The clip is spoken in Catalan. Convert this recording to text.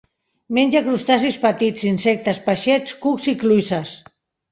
Menja crustacis petits, insectes, peixets, cucs i cloïsses.